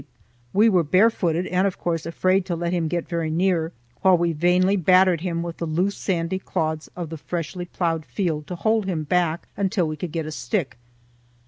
We were barefooted and of course afraid to let him get very near, while we vainly battered him with the loose sandy clods of the freshly ploughed field to hold him back until we could get a stick.